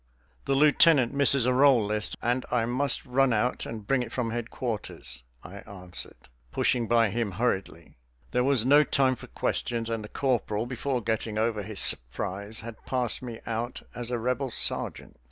"The lieutenant misses a roll list, and I must run out and bring it from headquarters," I answered, pushing by him hurriedly. There was no time for questions, and the corporal, before getting over his surprise, had passed me out as a Rebel sergeant.